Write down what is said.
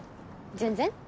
全然。